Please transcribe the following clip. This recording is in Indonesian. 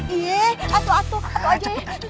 iya atuh atuh atuh aja ya